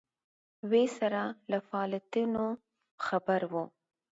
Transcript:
ویسرا له فعالیتونو خبر وو.